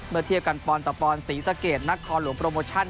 เมื่อเทียบกันปอนตะปอนสีสะเกดนักฮอลหรือโปรโมชั่น